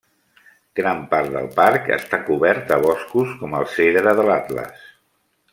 Gran part del parc està cobert de boscos com el cedre de l'Atles.